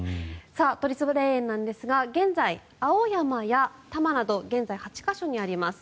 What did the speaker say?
都立霊園ですが現在青山や多磨など現在８か所にあります。